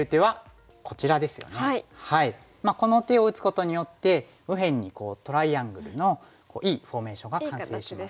この手を打つことによって右辺にトライアングルのいいフォーメーションが完成します。